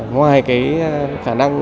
ngoài cái khả năng